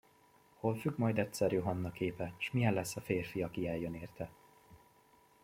Hol függ majd egyszer Johanna képe, s milyen lesz a férfi, aki eljön érte?